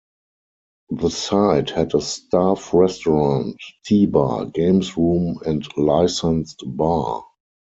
The site had a staff restaurant, tea bar, games room and licensed bar.